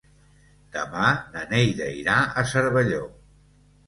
Demà na Neida irà a Cervelló.